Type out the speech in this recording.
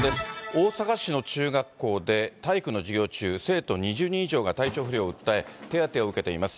大阪市の中学校で、体育の授業中、生徒２０人以上が体調不良を訴え、手当てを受けています。